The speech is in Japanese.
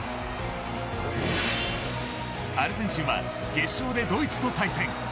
アルゼンチンは決勝でドイツと対戦。